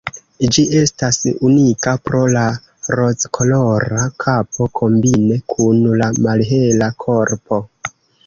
Ĝi estas unika pro la rozkolora kapo kombine kun la malhela korpo.